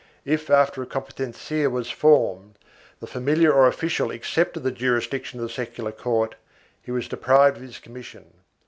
If, after a competencia was formed, the familiar or official accepted the jurisdiction of the secular court, he was deprived of his com mission.